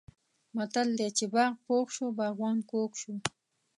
متل دی: چې باغ پوخ شو باغوان کوږ شو.